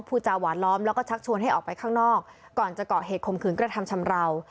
จาหวานล้อมแล้วก็ชักชวนให้ออกไปข้างนอกก่อนจะเกาะเหตุข่มขืนกระทำชำราว